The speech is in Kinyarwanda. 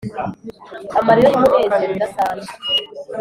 amarira yumunezero udasanzwe!